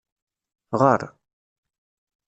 Ɣer.